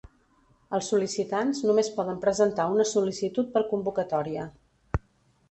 Els sol·licitants només poden presentar una sol·licitud per convocatòria.